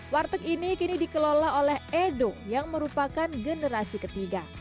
warteg ini kini dikelola oleh edo yang merupakan generasi ketiga